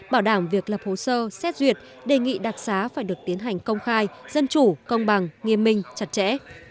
bảo đảm việc lập hồ sơ xét duyệt đề nghị đặc xá phải được tiến hành công khai dân chủ công bằng nghiêm minh chặt chẽ